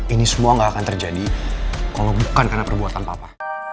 ini semua nggak akan terjadi kalau bukan karena perbuatan papa